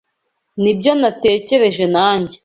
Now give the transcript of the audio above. Nibyo natekereje nanjye.